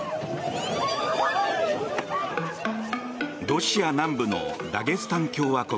ロシア南部のダゲスタン共和国。